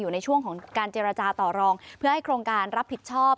ในช่วงของการเจรจาต่อรองเพื่อให้โครงการรับผิดชอบ